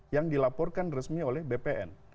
yang dilaporkan resmi oleh bpn